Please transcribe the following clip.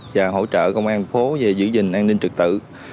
và hỗ trợ công an thành phố về giữ gìn an ninh trực tự